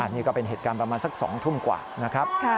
นี่ก็เป็นเหตุการณ์ประมาณสัก๒ทุ่มกว่านะครับ